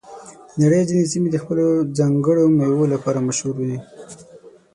د نړۍ ځینې سیمې د خپلو ځانګړو میوو لپاره مشهور دي.